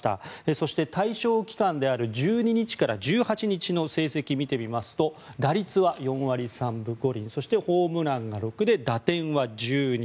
そして、対象期間である１２日から１８日の成績を見てみますと打率は４割３分５厘そしてホームランが６で打点は１２。